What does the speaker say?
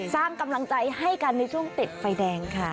สร้างกำลังใจให้กันในช่วงติดไฟแดงค่ะ